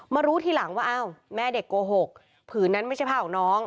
รู้ทีหลังว่าอ้าวแม่เด็กโกหกผืนนั้นไม่ใช่ผ้าของน้อง